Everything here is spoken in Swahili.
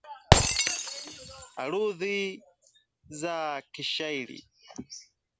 arudhi za kishairi